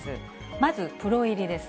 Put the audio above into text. まずプロ入りです。